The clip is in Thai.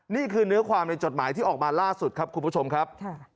นี่คือเนื้อความในจดหมายที่ออกมาล่าสุดครับคุณผู้ชมครับ